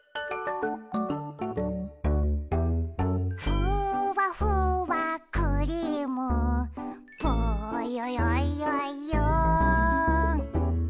「ふわふわクリームぽよよよよん」